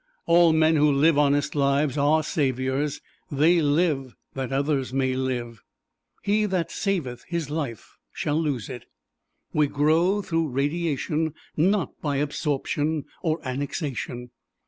All men who live honest lives are saviors they live that others may live. He that saveth his life shall lose it. We grow through radiation, not by absorption or annexation.